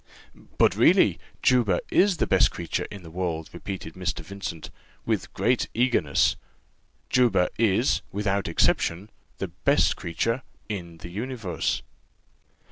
"But, really, Juba is the best creature in the world," repeated Mr. Vincent, with great eagerness. "Juba is, without exception, the best creature in the universe."